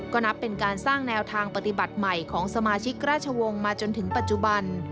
ก็นับเป็นการสร้างแนวทางปฏิบัติใหม่ของสมาชิกราชวงศ์มาจนถึงปัจจุบัน